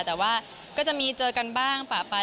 แต่ว่าก็จะมีเจอกันบ้างป่าไป